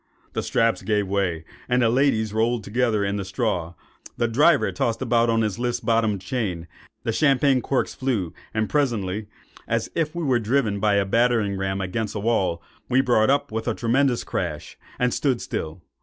The straps gave way, the ladies rolled together in the straw, the driver tossed about on his list bottomed chain, the champagne corks flew,—and presently, as if we were driven by a battering ram against a wall, we brought up with a tremendous crash, and stood still.